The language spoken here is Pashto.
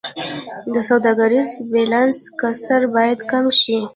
د سوداګریز بیلانس کسر باید کم شي